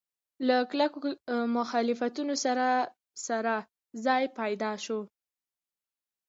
له کلکو مخالفتونو سره سره ځای پیدا شو.